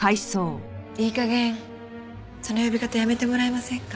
いい加減その呼び方やめてもらえませんか？